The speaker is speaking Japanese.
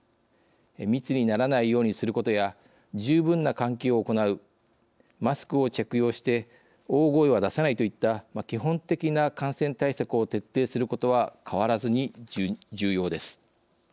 密にならないようにすることや十分な換気を行うマスクを着用して大声は出さないといった基本的な感染対策を徹底することは変わらずに重要です。